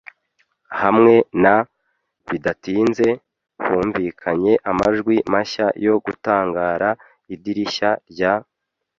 hamwe na. Bidatinze, humvikanye amajwi mashya yo gutangara; idirishya rya